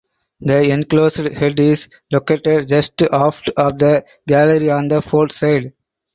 The enclosed head is located just aft of the galley on the port side.